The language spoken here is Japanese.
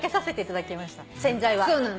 洗剤は。